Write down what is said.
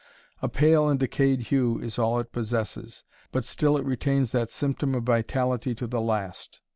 A pale and decayed hue is all it possesses, but still it retains that symptom of vitality to the last.